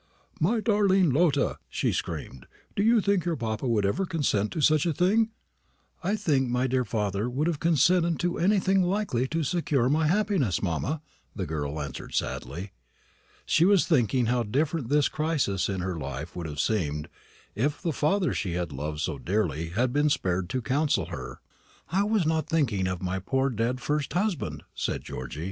"My darling Lotta!" she screamed, "do you think your papa would ever consent to such a thing?" "I think my dear father would have consented to anything likely to secure my happiness, mamma," the girl answered sadly. She was thinking how different this crisis in her life would have seemed if the father she had loved so dearly had been spared to counsel her. "I was not thinking of my poor dear first husband," said Georgy.